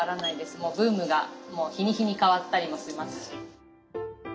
もうブームがもう日に日に変わったりもしますし。